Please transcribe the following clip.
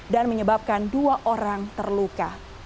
dan menyebabkan dua orang terluka